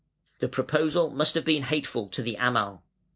The proposal must have been hateful to the Amal.